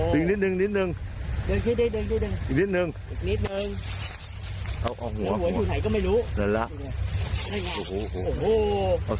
หยุดนิดหนึ่งอีกนิดหนึ่ง